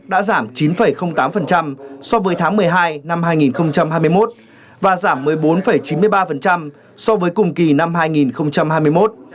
đã giảm chín tám so với tháng một mươi hai năm hai nghìn hai mươi một và giảm một mươi bốn chín mươi ba so với cùng kỳ năm hai nghìn hai mươi một